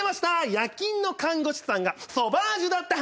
「夜勤の看護師さんがソバージュだった話」